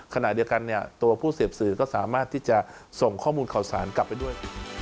ขณะเดียวกันเนี่ยตัวผู้เสพสื่อก็สามารถที่จะส่งข้อมูลข่าวสารกลับไปด้วย